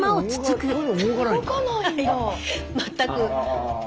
全く。